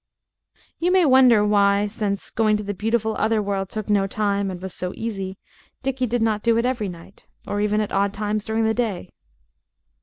You may wonder why, since going to the beautiful other world took no time and was so easy, Dickie did not do it every night, or even at odd times during the day.